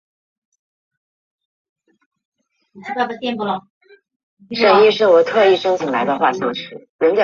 这样可以减少甚至消除文件碎片。